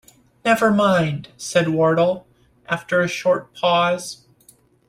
‘Never mind,’ said Wardle, after a short pause.